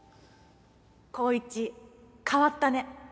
紘一変わったね。